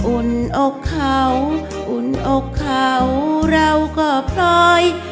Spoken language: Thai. อุ่นอกเขาอุ่นอกเขาเราก็พลอย